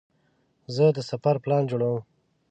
زه د سفر پلان جوړوم.